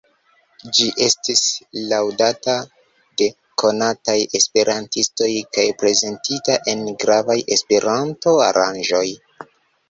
Ĝi estis laŭdata de konataj esperantistoj kaj prezentita en gravaj Esperanto-aranĝoj.